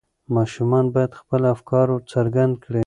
ماشومان باید خپل افکار څرګند کړي.